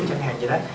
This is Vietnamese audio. chẳng hạn gì đó